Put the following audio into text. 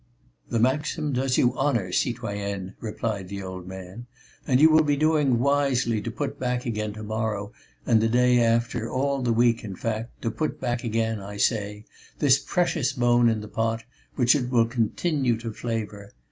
"The maxim does you honour, citoyenne," returned the old man. "And you will be doing wisely to put back again to morrow and the day after, all the week, in fact, to put back again, I say, this precious bone in the pot, which it will continue to flavour.